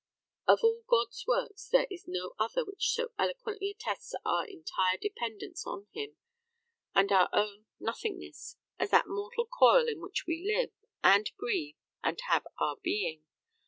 Of all God's works there is no other which so eloquently attests our entire dependence on Him, and our own nothingness, as that mortal coil in which we live, and breathe, and have our being.